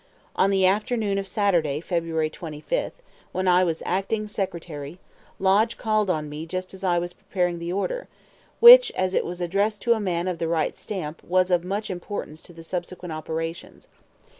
On the afternoon of Saturday, February 25, when I was Acting Secretary, Lodge called on me just as I was preparing the order, which (as it was addressed to a man of the right stamp) was of much importance to the subsequent operations.